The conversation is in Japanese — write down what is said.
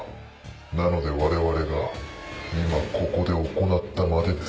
なので我々が今ここで行ったまでです。